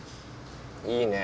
いいねぇ。